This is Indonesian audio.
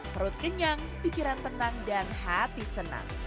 perut kenyang pikiran tenang dan hati senang